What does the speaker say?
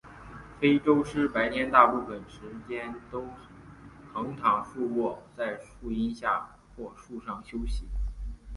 非洲狮白天大部分时间都横躺竖卧在树荫下或树上休息。